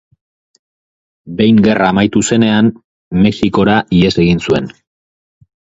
Behin gerra amaitu zenean, Mexikora ihes egin zuen.